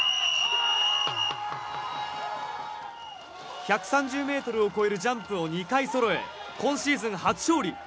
１３０ｍを越えるジャンプを２回そろえ、今シーズン初勝利。